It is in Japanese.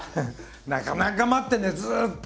なかなか待ってんだよずっと。